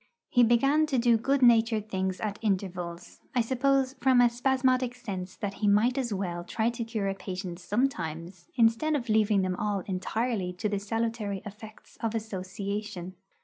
He began to do good natured things at intervals; I suppose from a spasmodic sense that he might as well try to cure a patient sometimes, instead of leaving them all entirely to the salutary effects of association.